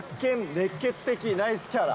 熱ケツ的ナイスキャラ。